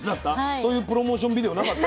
そういうプロモーションビデオなかった？